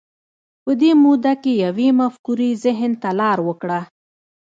په دې وخت کې یوې مفکورې ذهن ته لار وکړه